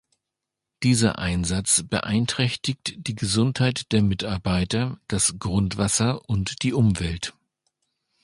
Dieser Einsatz beeinträchtigt die Gesundheit der Mitarbeiter, das Grundwasser und die Umwelt.